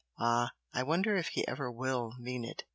Ah! I wonder if he ever WILL mean it!